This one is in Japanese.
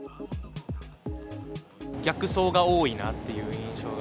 逆走が多いなっていう印象が。